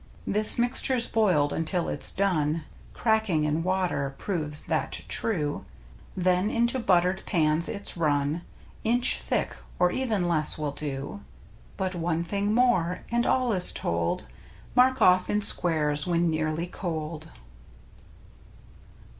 This mixture's boiled until it's done (Cracking in water proves that true), Then into buttered pans it's run Inch thick, or even less will do ; But one thing more — and all is told — Mark of¥ in squares when nearly cold.